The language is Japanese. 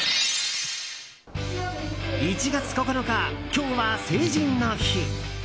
１月９日、今日は成人の日。